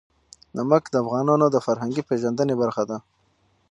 نمک د افغانانو د فرهنګي پیژندنې برخه ده.